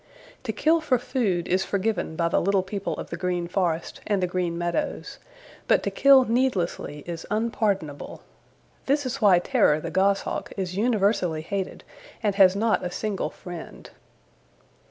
To kill for food is forgiven by the little people of the Green Forest and the Green Meadows, but to kill needlessly is unpardonable. This is why Terror the Goshawk is universally hated and has not a single friend.